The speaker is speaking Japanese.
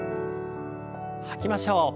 吐きましょう。